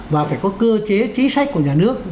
và phải có cơ chế chính sách của nhà nước